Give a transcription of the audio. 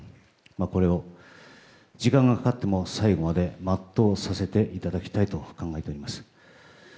これを時間がかかっても最後まで全うさせていただきたいと考えております。